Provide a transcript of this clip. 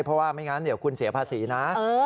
เพราะว่าไม่งั้นเดี๋ยวคุณเสียภาษีนะ